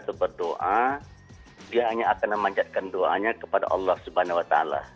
atau berdoa dia hanya akan memanjatkan doanya kepada allah swt